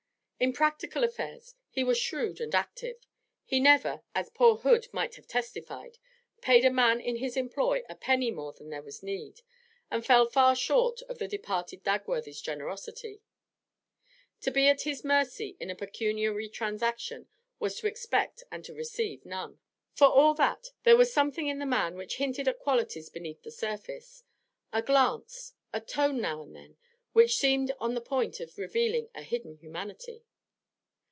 In practical affairs he was shrewd and active; he never as poor Hood might have testified paid a man in his employ a penny more than there was need, and fell far short of the departed Dagworthy's generosity; to be at his mercy in a pecuniary transaction was to expect and to receive none. For all that, there was something in the man which hinted at qualities beneath the surface; a glance, a tone, now and then, which seemed on the point of revealing a hidden humanity.